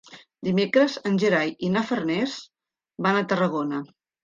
Dimecres en Gerai i na Farners van a Tarragona.